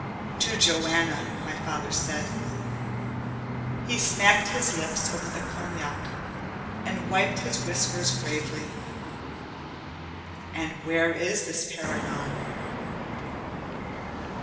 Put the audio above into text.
"To Joanna," my father said. He smacked his lips over the cognac, and wiped his whiskers gravely. "And where is this paragon?"